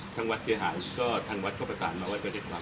ทางวันเสียหายทางวัดครอบฆาตานมาเวทเมาส์ประเทศคลาม